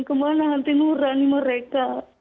kemana nanti nurani mereka